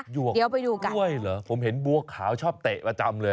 หยวกกล้วยเหรอผมเห็นบวกขาวชอบเตะประจำเลย